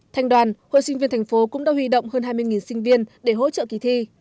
thành đoàn hội sinh viên thành phố cũng đã huy động hơn hai mươi sinh viên để hỗ trợ kỳ thi